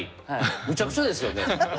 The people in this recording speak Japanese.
むちゃくちゃですよね。